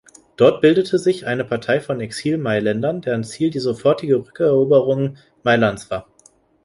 Dort bildete sich eine Partei von Exil-Mailändern, deren Ziel die sofortige Rückeroberung Mailands war.